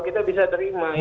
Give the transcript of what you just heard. kita bisa terima